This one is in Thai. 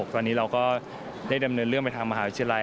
ตอนนี้เราก็ได้ดำเนินเรื่องไปทางมหาวิทยาลัย